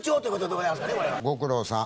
ご苦労さん。